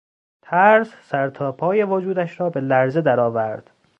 ترس سر تا پای وجودش را به لرزه در آورد.